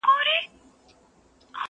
شاعر نه یم زما احساس شاعرانه دی,